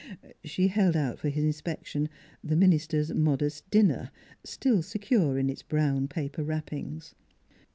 She held out for his inspection the minister's modest dinner, still secure in its brown paper wrappings.